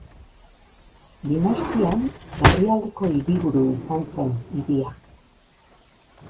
Dinastian, herrialdeko hiriburu izan zen hiria.